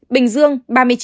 bình dương ba mươi chín